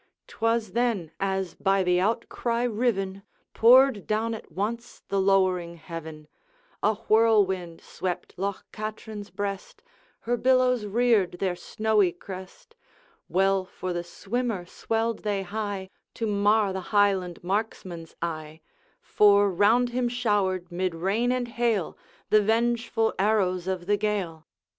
'T was then, as by the outcry riven, Poured down at once the lowering heaven: A whirlwind swept Loch Katrine's breast, Her billows reared their snowy crest. Well for the swimmer swelled they high, To mar the Highland marksman's eye; For round him showered, mid rain and hail, The vengeful arrows of the Gael.